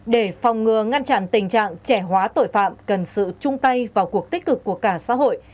để phòng ngừa ngăn chặn tình trạng trẻ hóa tội phạm cần sự chung tay vào cuộc tích cực của cả xã hội